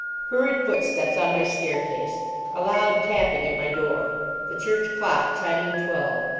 Hurried footsteps on my staircase. A loud tapping at my door. The church clock chiming twelve.